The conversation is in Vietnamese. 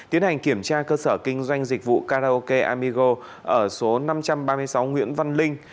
tiến hành kiểm tra cơ sở kinh doanh dịch vụ karaoke amigo ở số năm trăm ba mươi sáu nguyễn văn linh